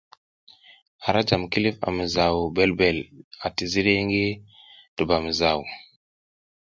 Ara jam kilif a mizaw ɓelɓel ati ziri ngi dubamizaw.